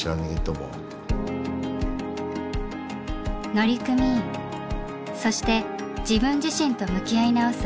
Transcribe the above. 乗組員そして自分自身と向き合い直す